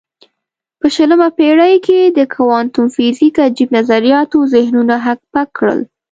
په شلمه پېړۍ کې د کوانتم فزیک عجیب نظریاتو ذهنونه هک پک کړل.